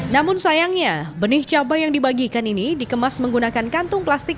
namun sayangnya benih cabai yang dibagikan ini dikemas menggunakan kantong plastik